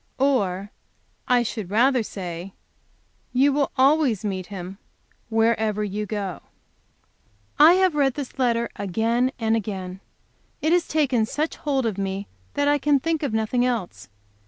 Or, I should rather say, you will always meet Him wherever you go." I have read this letter again and again. It has taken such hold of me that I can think of nothing else.